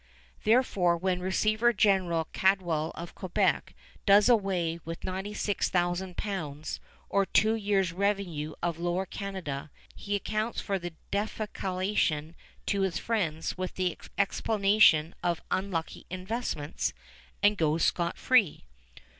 Therefore when Receiver General Caldwell of Quebec does away with 96,000 pounds, or two years' revenue of Lower Canada, he accounts for the defalcation to his friends with the explanation of unlucky investments, and goes scot free.